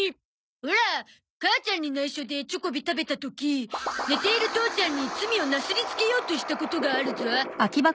オラ母ちゃんに内緒でチョコビ食べた時寝ている父ちゃんに罪をなすりつけようとしたことがあるゾ。